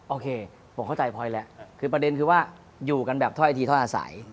โอเคผมเข้าใจพลอยแล้วคือประเด็นคือว่าอยู่กันแบบถ้อยทีถ้อยอาศัย